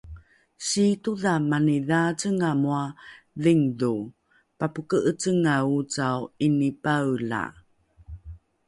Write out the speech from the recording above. Siitodha mani dhaacenga moa dhindho, papoke'ecengae ocao 'inipaela